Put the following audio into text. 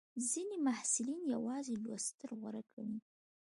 ځینې محصلین یوازې لوستل غوره ګڼي.